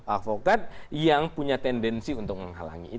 avokat yang punya tendensi untuk menghalangi itu